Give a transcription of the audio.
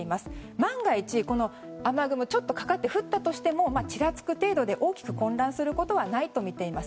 万が一、この雨雲がちょっとかかって降ったとしてもちらつく程度で大きく混乱することはないとみています。